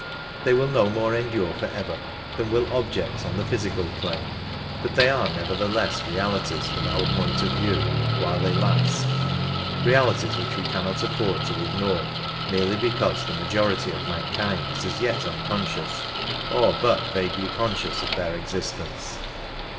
They will no more endure for ever than will objects on the physical plane, but they are never theless realities from our point of view while they last — realities which we cannot afford to ignore merely because the majority of mankind is as yet unconscious, or but vaguely conscious, of their existence.